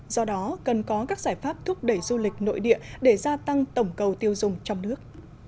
do đó cần có các giải pháp thúc đẩy du lịch nội địa để gia tăng tổng cầu tiêu dùng trong nước